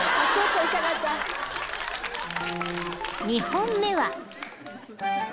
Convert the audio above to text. ［２本目は］